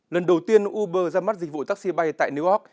lần đầu tiên uber ra mắt dịch vụ taxi bay tại new york